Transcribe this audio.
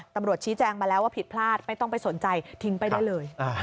ตำรวจชี้แจงมาแล้วว่าผิดพลาดไม่ต้องไปสนใจทิ้งไปได้เลย